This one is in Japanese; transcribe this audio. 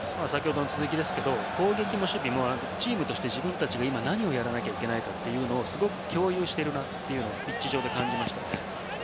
攻撃も守備もチームとして自分たちが今何をやらなければいけないというのをすごく共有しているというのをピッチ上で感じました。